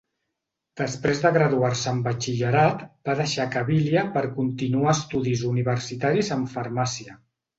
Després de graduar-se en batxillerat va deixar Cabília per continuar estudis universitaris en Farmàcia.